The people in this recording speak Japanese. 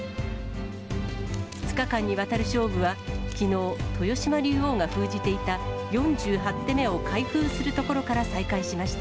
２日間にわたる勝負は、きのう、豊島竜王が封じていた４８手目を開封するところから再開しました。